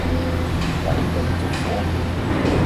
Waarom ben ik toch vóór?